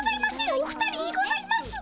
お二人にございます。